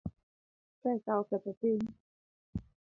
Pesa oketho piny